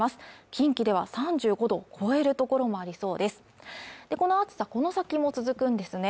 近畿では３５度を超える所もありそうですね